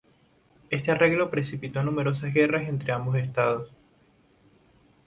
Este arreglo precipitó numerosas guerras entre ambos estados.